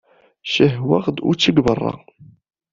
Cihwaɣ-d učči deg beṛṛa.